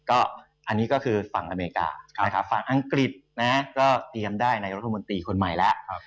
ก็อันนี้ก็คือฝั่งอเมริกานะครับฝั่งอังกฤษนะก็เตรียมได้นายกรัฐมนตรีคนใหม่แล้ว